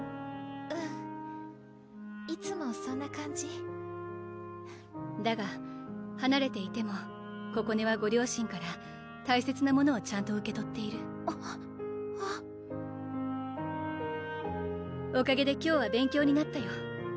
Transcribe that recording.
うんいつもそんな感じだがはなれていてもここねはご両親から大切なものをちゃんと受け取っているおかげで今日は勉強になったよ